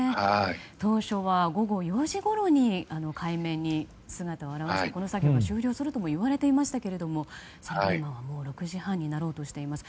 当初は午後４時ごろに海面に姿を現してこの作業は終了するといわれていましたが今、６時半になろうとしています。